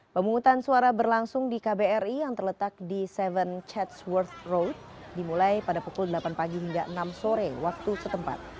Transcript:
pemungutan suara berlangsung di kbri yang terletak di tujuh chats ⁇ world road dimulai pada pukul delapan pagi hingga enam sore waktu setempat